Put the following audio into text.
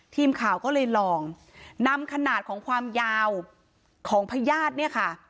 ทีมข่าวก็เลยลองนำขนาดของความยาวของพญาติเนี่ยค่ะ